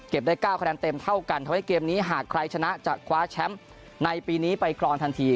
ได้๙คะแนนเต็มเท่ากันทำให้เกมนี้หากใครชนะจะคว้าแชมป์ในปีนี้ไปครองทันที